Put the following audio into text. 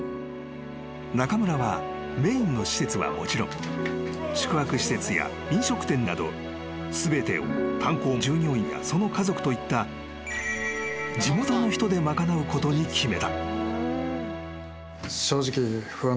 ［中村はメインの施設はもちろん宿泊施設や飲食店など全てを炭鉱従業員やその家族といった地元の人で賄うことに決めた］